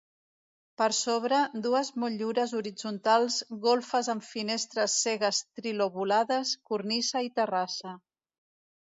Per sobre, dues motllures horitzontals, golfes amb finestres cegues trilobulades, cornisa i terrassa.